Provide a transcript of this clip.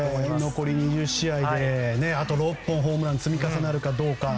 残り２０試合で、あと６本ホームラン積み重なるかどうか。